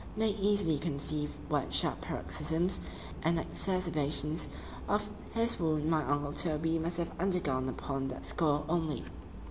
—may easily conceive what sharp paroxysms and exacerbations of his wound my uncle Toby must have undergone upon that score only.